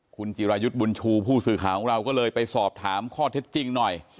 คุณจิรายุทธ์บุญชูผู้สื่อข่าวของเราก็เลยไปสอบถามข้อเท็จจริงหน่อย